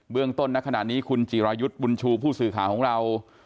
เรื่องต้นในขณะนี้คุณจิรายุทธ์บุญชูผู้สื่อข่าวของเรา